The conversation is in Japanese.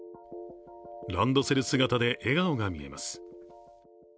ランドセル姿で笑顔が見えます。